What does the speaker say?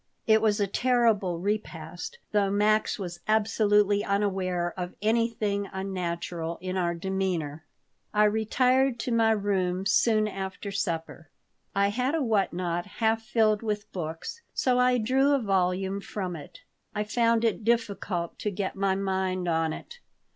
It was a terrible repast, though Max was absolutely unaware of anything unnatural in our demeanor. I retired to my room soon after supper I had a what not half filled with books, so I drew a volume from it. I found it difficult to get my mind on it.